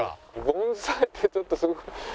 盆栽ってちょっとボン。